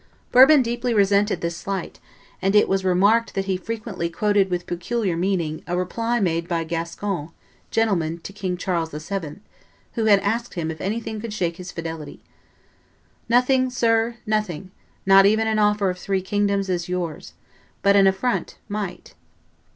Bourbon deeply resented this slight; and it was remarked that he frequently quoted with peculiar meaning a reply made by a Gascon gentleman to King Charles VII., who had asked him if anything could shake his fidelity, "Nothing, sir, nothing; not even an offer of three such kingdoms as yours; but an affront might."